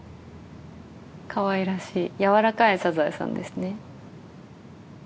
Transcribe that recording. かわいらしいやわらかいサザエさんですね。